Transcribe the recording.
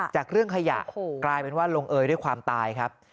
จากเรื่องขยะกลายเป็นว่าลงเอยด้วยความตายครับ